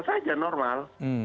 jadi biasa saja normal